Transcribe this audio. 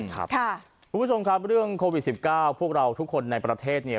คุณผู้ชมครับเรื่องโควิด๑๙พวกเราทุกคนในประเทศเนี่ย